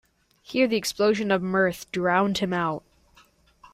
Here the explosion of mirth drowned him out.